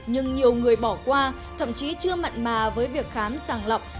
nhưng nhiều người bỏ qua thậm chí chưa mặn mà với việc khám sàng lọc